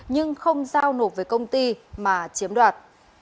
nhưng không giao nộp với công ty mà chiếm đoạt